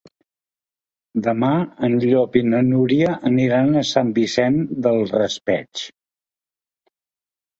Demà en Llop i na Núria aniran a Sant Vicent del Raspeig.